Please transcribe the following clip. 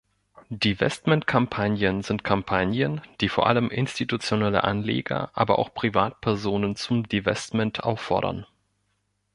Divestment-Kampagnen sind Kampagnen, die vor allem Institutionelle Anleger aber auch Privatpersonen zum Divestment auffordern.